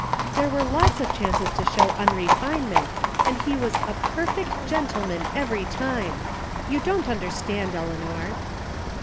"There were lots of chances to show tmrefinement, and he was a perfect gentleman every time. You don't understand, Eleanor."